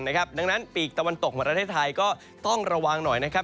ดังนั้นปีกตะวันตกของประเทศไทยก็ต้องระวังหน่อยนะครับ